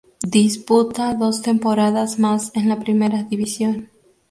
Disputa dos temporadas más en la Primera División.